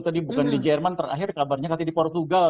tadi bukan di jerman terakhir kabarnya nanti di portugal